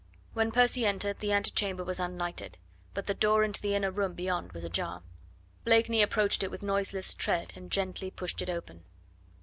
When Percy entered the antechamber was unlighted, but the door into the inner room beyond was ajar. Blakeney approached it with noiseless tread, and gently pushed it open.